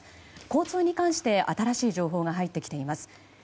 交通に関して新しい情報が入ってきています。